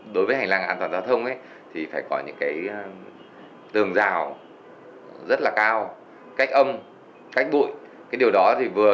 đối với hành lang an toàn giao thông phải có những tường rào rất cao cách âm cách bụi điều đó vừa